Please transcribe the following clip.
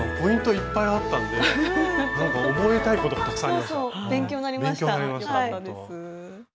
いっぱいあったんで覚えたいことがたくさんありました。